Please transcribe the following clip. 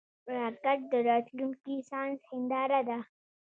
راکټ د راتلونکي ساینس هنداره ده